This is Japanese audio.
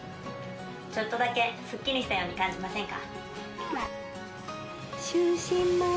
ちょっとだけスッキリしたように感じませんか？